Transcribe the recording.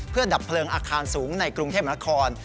เพื่อดับเพลิงอาคารสูงในกรุงเทพนคร